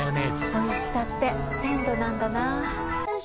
おいしさって鮮度なんだな。